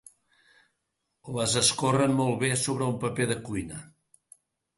Les escorrem molt bé sobre un paper de cuina.